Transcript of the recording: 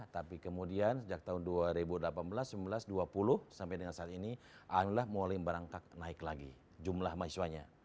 tapi kemudian sejak tahun dua ribu delapan belas dua ribu sembilan belas dua ribu dua puluh sampai dengan saat ini alhamdulillah mulai berangkat naik lagi jumlah mahasiswanya